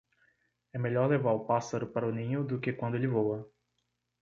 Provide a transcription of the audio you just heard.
É melhor levar o pássaro para o ninho do que quando ele voa.